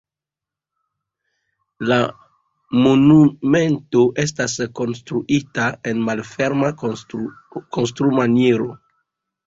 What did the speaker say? La monumento estas konstruita en malferma konstrumaniero.